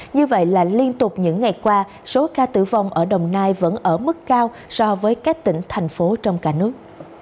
như vậy là liên tục những ngày qua số ca tử vong ở đồng nai vẫn ở mức cao so với các tỉnh thành phố trong cả nước